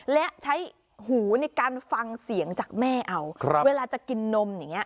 และใช้หูในการฟังเสียงจากแม่เอาเวลาจะกินนมอย่างเงี้